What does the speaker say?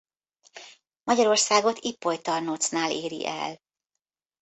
Magyarországot Ipolytarnócnál éri el.